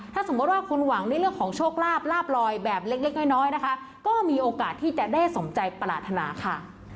ถ้าสมมุติว่าคุณหวังในเรื่องของโชคลาภลาบลอยแบบเล็กน้อยนะคะก็มีโอกาสที่จะได้สมใจปรารถนาค่ะ